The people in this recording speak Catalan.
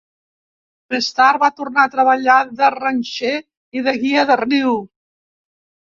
Més tard, va tornar a treballar de ranxer i de guia de riu.